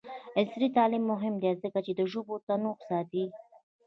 عصري تعلیم مهم دی ځکه چې د ژبو تنوع ساتي.